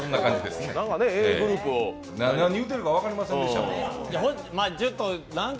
何言うてるか分かりませんでしたもん。